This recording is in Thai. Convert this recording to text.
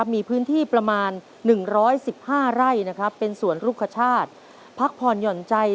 มีพื้นที่ประมาณ๑๑๕ไร่เป็นสวนลูกคชาติพักผ่อนหย่อนใจ